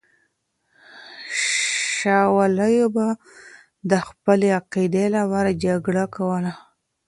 شوالیو به د خپلې عقیدې لپاره جګړه کوله.